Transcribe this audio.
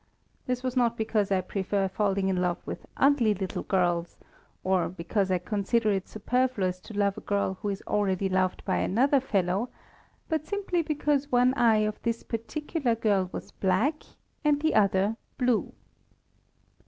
This was not because I prefer falling in love with ugly little girls, or because I consider it superfluous to love a girl who is already loved by another fellow, but simply because one eye of this particular girl was black and the other blue.